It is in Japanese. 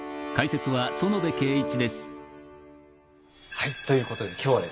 はいということで今日はですね